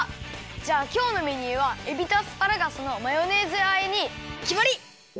じゃあきょうのメニューはえびとアスパラガスのマヨネーズ和えにきまり！